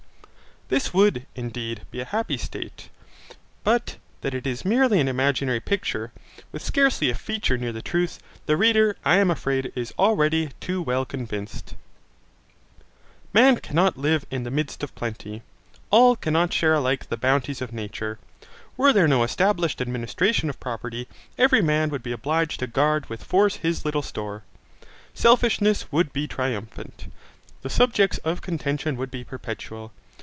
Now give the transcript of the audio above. This would, indeed, be a happy state. But that it is merely an imaginary picture, with scarcely a feature near the truth, the reader, I am afraid, is already too well convinced. Man cannot live in the midst of plenty. All cannot share alike the bounties of nature. Were there no established administration of property, every man would be obliged to guard with force his little store. Selfishness would be triumphant. The subjects of contention would be perpetual.